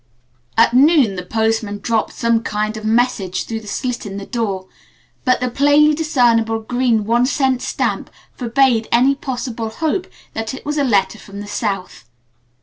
At noon the postman dropped some kind of a message through the slit in the door, but the plainly discernible green one cent stamp forbade any possible hope that it was a letter from the South.